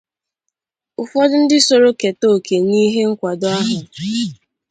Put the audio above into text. ụfọdụ ndị soro keta òkè n'ihe nkwàdo ahụ